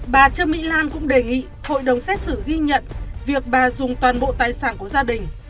bà trương mỹ lan cũng đề nghị hội đồng xét xử ghi nhận việc bà dùng toàn bộ tài sản của gia đình